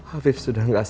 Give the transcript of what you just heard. afif sudah gak sabar